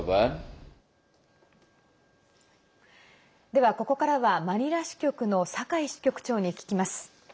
では、ここからはマニラ支局の酒井支局長に聞きます。